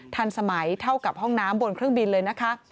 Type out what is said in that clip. ทันสมัยเท่ากับห้องน้ำบนเครื่องบินเลยนะคะ